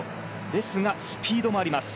ですが、スピードもあります。